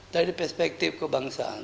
dari perspektif kebangsaan